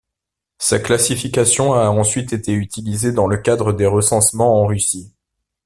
Sa classification a ensuite été utilisée dans le cadre des recensements en Russie.